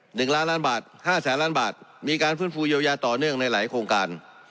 หนึ่งล้านล้านบาทห้าแสนล้านบาทมีการฟื้นฟูเยียวยาต่อเนื่องในหลายโครงการ